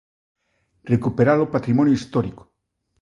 Recuperar o patrimonio histórico.